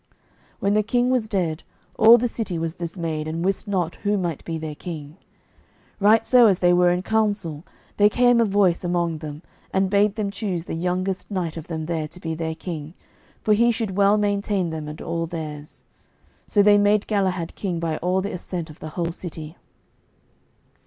When the king was dead, all the city was dismayed, and wist not who might be their king. Right so as they were in counsel, there came a voice among them, and bade them choose the youngest knight of them there to be their king, for he should well maintain them and all theirs. So they made Galahad king by all the assent of the whole city.